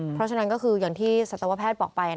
เพราะฉะนั้นก็คืออย่างที่สัตวแพทย์บอกไป